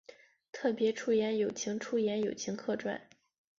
特别出演友情出演友情客串